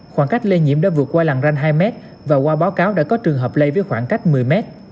khoảng cách lây nhiễm đã vượt qua làn ranh hai m và qua báo cáo đã có trường hợp lây với khoảng cách một mươi mét